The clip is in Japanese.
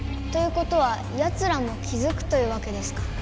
ということはヤツらも気づくというわけですか。